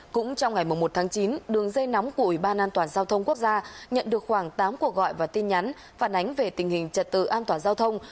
cũng trong ngày một tháng chín đường dây nóng của ủy ban an toàn giao thông quốc gia nhận được khoảng tám cuộc gọi và tin nhắn phản ánh về tình hình trật tự an toàn giao thông